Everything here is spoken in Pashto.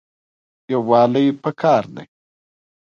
یووالی پکار دی